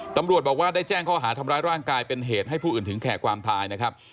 ตำรวจบอกว่าได้แจ้งข้อหาทำร้ายร่างกายเป็นเหตุให้ผู้อื่นถึงแก่ความตายนะครับ